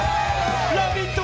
「ラヴィット！」